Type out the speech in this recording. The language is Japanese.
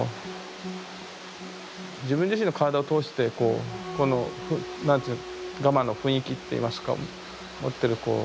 自分自身の体を通してこうこの何ていうかガマの雰囲気っていいますか持ってるこう。